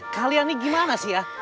kalian nih gimana sih ya